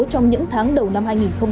trong những tháng đầu năm hai nghìn hai mươi